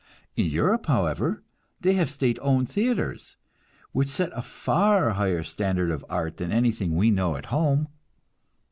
In Europe, however, they have state owned theatres, which set a far higher standard of art than anything we know at home.